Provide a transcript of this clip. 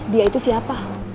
dia itu siapa